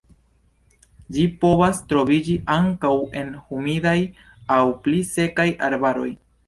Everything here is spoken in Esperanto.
Ĝi povas troviĝi ankaŭ en humidaj aŭ pli sekaj arbaroj.